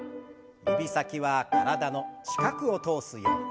指先は体の近くを通すように。